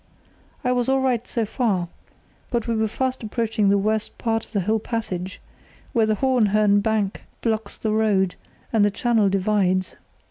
I was all right so far, but we were fast approaching the worst part of the whole passage, where the Hohenhörn bank blocks the road, and the channel divides.